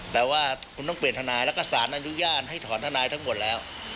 แต่ว่าคุณต้องเปลี่ยนทนายแล้วก็สารอนุญาตให้ถอนทนายทั้งหมดแล้ว